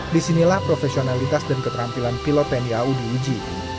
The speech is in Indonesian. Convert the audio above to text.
disinilah profesionalitas dan keterampilan pilot tni au di uji